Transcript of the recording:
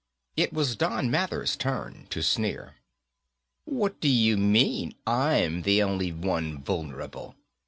It was Don Mathers' turn to sneer. "What do you mean, I'm the only one vulnerable?